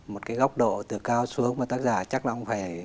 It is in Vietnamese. một cái góc độ từ cao xuống mà tác giả chắc là ông phải